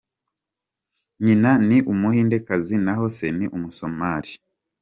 Nyina ni umuhindekazi naho se ni umusomali.